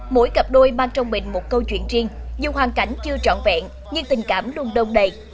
mỗi cặp đôi mang trong mình một câu chuyện riêng dù hoàn cảnh chưa trọn vẹn nhưng tình cảm luôn đông đầy